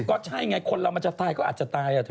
ก็ใช่ไงคนเรามาจากไทยก็อาจจะตายอะเธอ